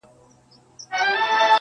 د نامه له يادولو يې بېرېږي٫